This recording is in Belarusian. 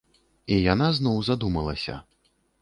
І яна зноў задумалася.